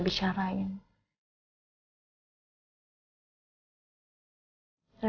masalah papa bicara ya